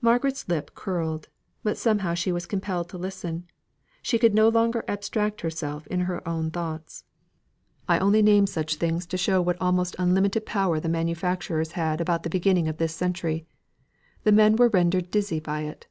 Margaret's lip curled, but somehow she was compelled to listen; she could no longer abstract herself in her own thoughts. "I only name such things to show what almost unlimited power the manufacturers had about the beginning of this century. The men were rendered dizzy by it.